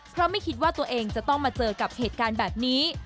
เพราะไม่คิดว่าตัวเองจะต้องมาเจอกับเหตุการณ์แบบนี้